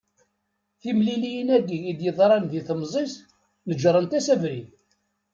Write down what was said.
Timliliyin-agi i d-yeḍṛan di temẓi-s neğṛent-as abrid.